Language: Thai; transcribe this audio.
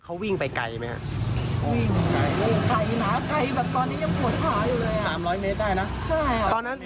เขาวิ่งไปไกลมั้ยฮะ